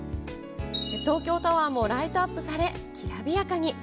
東京タワーもライトアップされ、きらびやかに。